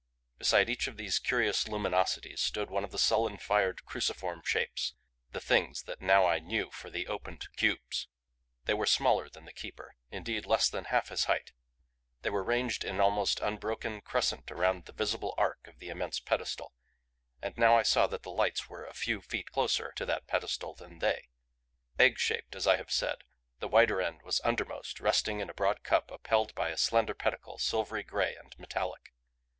Beside each of these curious luminosities stood one of the sullen fired, cruciform shapes the Things that now I knew for the opened cubes. They were smaller than the Keeper, indeed less than half his height. They were ranged in an almost unbroken crescent around the visible arc of the immense pedestal and now I saw that the lights were a few feet closer to that pedestal than they. Egg shaped as I have said, the wider end was undermost, resting in a broad cup upheld by a slender pedicle silvery gray and metallic.